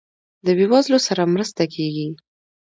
د بیوزلو سره مرسته کیږي؟